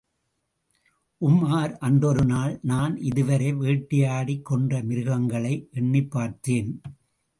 உமார், அன்றொரு நாள் நான் இதுவரை வேட்டிையாடிக் கொன்ற மிருகங்களை எண்ணிப்பார்த்தேன்.